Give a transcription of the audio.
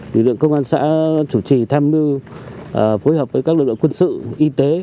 lực lượng công an xã chủ trì tham mưu phối hợp với các lực lượng quân sự y tế